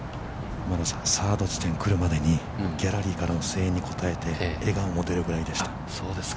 ◆サード地点来るまでに、ギャラリーからの声援に応えて、笑顔も出るぐらいでした。